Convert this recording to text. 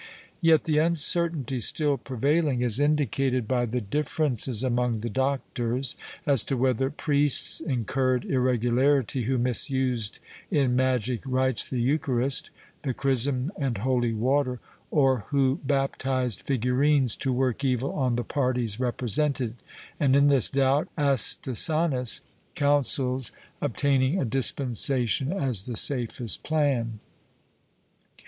Yet the uncertainty still prevailing is indicated by the differences among the doctors as to whether priests incurred irregularity who misused in magic rites the Eucha rist, the chrism and holy water, or who baptized figurines to work evil on the parties represented, and in this doubt Astesanus counsels obtaining a dispensation as the safest plan.